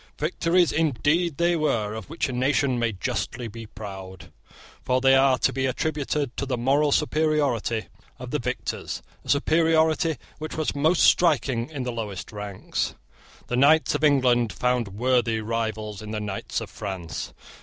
Victories indeed they were of which a nation may justly be proud; for they are to be attributed to the moral superiority of the victors, a superiority which was most striking in the lowest ranks. The knights of England found worthy rivals in the knights of France.